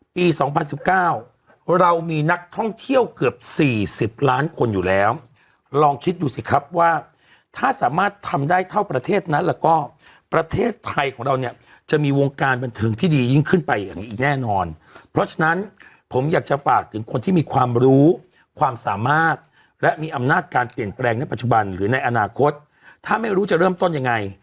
สองพันสิบเก้าเรามีนักท่องเที่ยวเกือบ๔๐ล้านคนอยู่แล้วลองคิดดูสิครับว่าถ้าสามารถทำได้เท่าประเทศนั้นแล้วก็ประเทศไทยของเราเนี่ยจะมีวงการบันเทิงที่ดียิ่งขึ้นไปอย่างนี้อีกแน่นอนเพราะฉะนั้นผมอยากจะฝากถึงคนที่มีความรู้ความสามารถและมีอำนาจการเปลี่ยนแปลงในปัจจุบันหรือในอนาคตถ้าไม่รู้จะเริ่มต้นยังไง